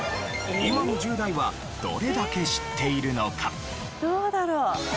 今の１０代はどれだけ知っているのか？